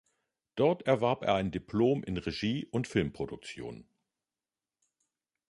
Dort erwarb er ein Diplom in Regie und Filmproduktion.